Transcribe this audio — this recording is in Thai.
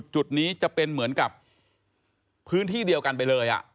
จุดนี้จะเป็นเหมือนกับพื้นที่เดียวกันไปเลย